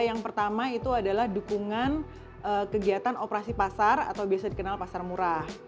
yang pertama itu adalah dukungan kegiatan operasi pasar atau biasa dikenal pasar murah